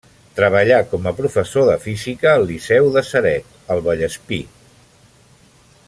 Treballà com a professor de física al liceu de Ceret, al Vallespir.